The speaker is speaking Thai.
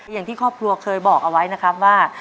อย่างที่ครอบครัวเคยบอกเอาไว้นะครับว่า